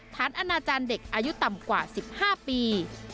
อนาจารย์เด็กอายุต่ำกว่า๑๕ปี